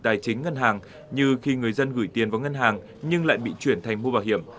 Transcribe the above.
tài chính ngân hàng như khi người dân gửi tiền vào ngân hàng nhưng lại bị chuyển thành mua bảo hiểm